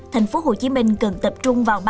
thành phố hồ chí minh cần tập trung vào